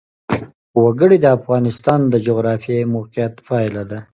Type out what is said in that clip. وګړي د افغانستان د جغرافیایي موقیعت پایله ده.